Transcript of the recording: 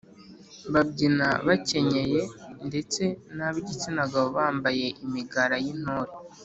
babyina bakenyeye ndetse n’ab’igitsina gabo bambaye imigara y’intore